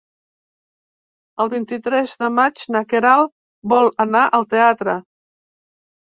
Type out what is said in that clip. El vint-i-tres de maig na Queralt vol anar al teatre.